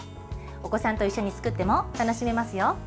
お子さんと一緒に作っても楽しめますよ。